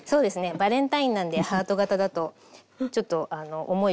バレンタインなんでハート型だとちょっと「おもい」